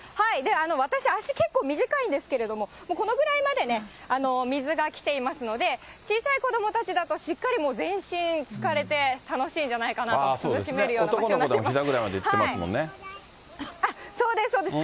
私、足結構短いんですけれども、このぐらいまでね、水が来ていますので、小さい子どもたちだとしっかりもう、全身つかれて、楽しいんじゃないかなと、楽しめるんじゃないかなという。